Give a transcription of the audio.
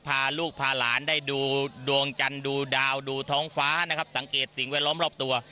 พาลูกพาหลานได้ดูดวงจันทร์ดูดาวดูท้องฟ้านะครับสังเกตสิ่งแวดล้อมรอบตัว